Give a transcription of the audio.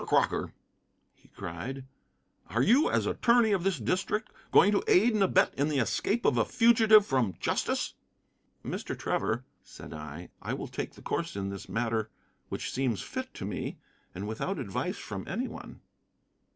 Crocker," he cried, "are you, as attorney of this district, going to aid and abet in the escape of a fugitive from justice?" "Mr. Trevor," said I, "I will take the course in this matter which seems fit to me, and without advice from any one."